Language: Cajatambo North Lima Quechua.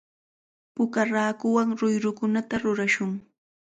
Puka raakuwan ruyrukunata rurashun.